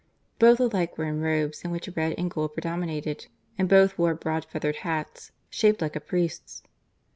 Both alike were in robes in which red and gold predominated; and both wore broad feathered hats, shaped like a priest's.